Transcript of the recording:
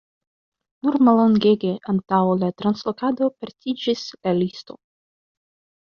Nur mallongege antaŭ la translokado perdiĝis la listo.